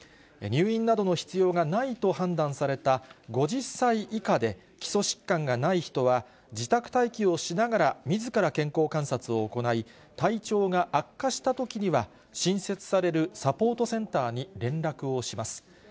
入院などの必要がないと判断された５０歳以下で基礎疾患がない人は、自宅待機をしながらみずから健康観察を行い、体調が悪化したときには新設されるサポートセンターに連絡をします。